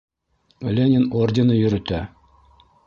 Ленин ордены йөрөтә!